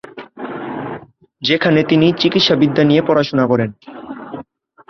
সেখানে তিনি চিকিৎসাবিদ্যা নিয়ে পড়াশোনা করেন।